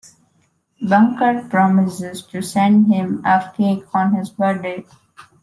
Bunker promises to send him a cake on his birthday.